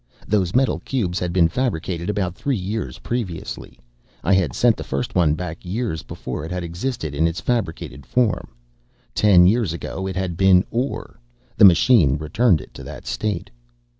Those metal cubes had been fabricated about three years previously. I had sent the first one back years before it had existed in its fabricated form. Ten years ago it had been ore. The machine returned it to that state.